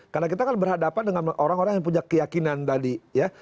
karena kita kan berhadapan dengan orang orang yang punya keyakinan tadi ya